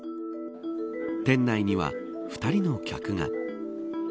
店内には、２人の客が。